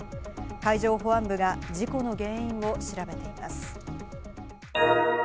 海上保安部が事故の原因を調べています。